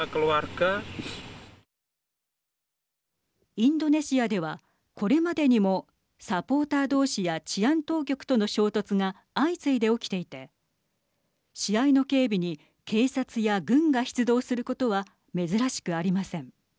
インドネシアではこれまでにもサポーター同士や治安当局との衝突が相次いで起きていて試合の警備に警察や軍が出動することは珍しくありません。